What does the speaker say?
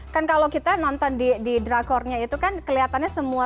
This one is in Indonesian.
kan kalau kita nonton di drakornya itu kan kelihatannya semua